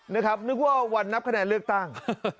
นึกว่าวันนับคะแนนเลือกตั้ง